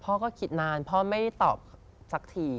พ่อก็คิดนานพ่อไม่ตอบสักที